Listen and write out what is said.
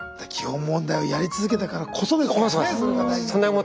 基本問題をやり続けたからこそですもんね